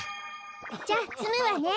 じゃあつむわね。